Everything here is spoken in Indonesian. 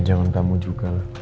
karena kita orang tamu juga